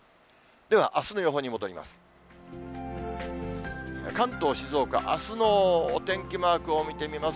ではあすの予報に戻ります。